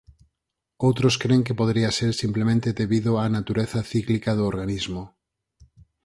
Outros cren que podería ser simplemente debido á natureza cíclica do organismo.